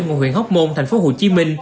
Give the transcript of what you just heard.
nguồn huyện hóc môn tp hcm